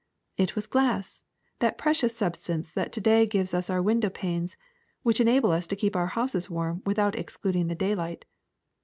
It was glass, that precious substance that to day gives us our window panes, which enable us to keep our houses warm without excluding the daylight.